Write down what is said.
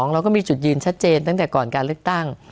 เราก็มีจุดยืนชัดเจนตั้งแต่ก่อนการเลือกตั้ง